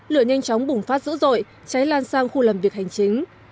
lửa nhanh chóng bùng phát dữ dội cháy lan sang khu làm việc hành chính